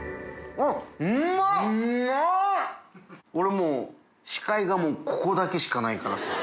もう視界がもうここだけしかないからさ。